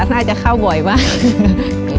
น่าจะเข้าบ่อยมาก